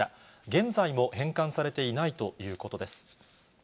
現在も返還されていないということです。